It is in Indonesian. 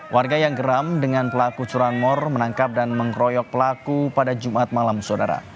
warga yang geram dengan pelaku curanmor menangkap dan mengkroyok pelaku pada jumat malam saudara